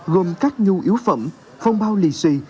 gồm các nhu yếu phẩm phong bao lì xùy